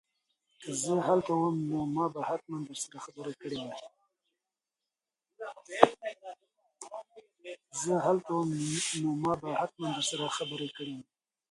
که زه هلته وم نو ما به حتماً ورسره خبرې کړې وای.